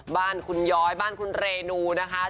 บ้านคุณย้อยบ้านคุณเรนูนะคะ